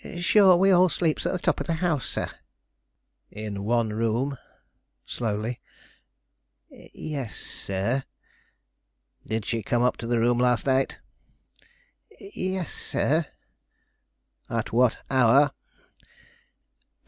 "Shure, we all sleeps at the top of the house, sir." "In one room?" Slowly. "Yes, sir." "Did she come up to the room last night?" "Yes, sir." "At what hour?"